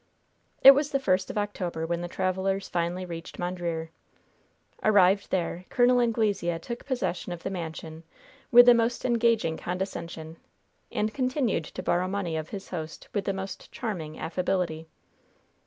It was the first of October when the travelers finally reached Mondreer. Arrived there, Col. Anglesea took possession of the mansion with the most engaging condescension and continued to borrow money of his host with the most charming affability.